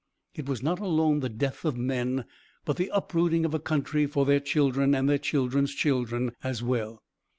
It was not alone the death of men but the uprooting of a country for their children and their children's children as well.